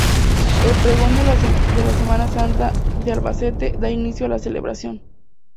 El pregón de la Semana Santa de Albacete da inicio a la celebración.